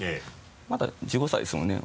まだ１５歳ですもんね？